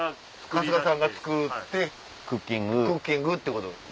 春日さんが作ってクッキングってこと。